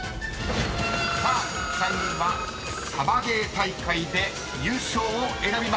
［３人は「サバゲー大会で優勝」を選びました］